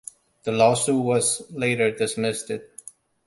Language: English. The lawsuit was later dismissed.